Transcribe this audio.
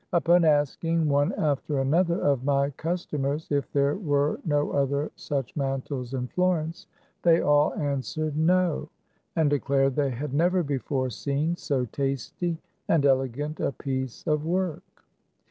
Upon asking one after another of my customers if there were no other such mantles in Florence, they all answered No, and declared they had never before seen so tasty and elegant a piece of work.